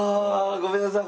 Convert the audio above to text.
ごめんなさい。